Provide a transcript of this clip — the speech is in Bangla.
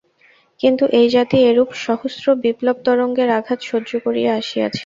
কিন্তু এই জাতি এরূপ সহস্র বিপ্লব-তরঙ্গের আঘাত সহ্য করিয়া আসিয়াছে।